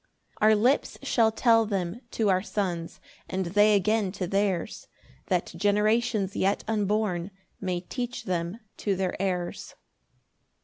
3 Our lips shall tell them to our Sons, And they again to theirs, That generations yet unborn May teach them to their heirs.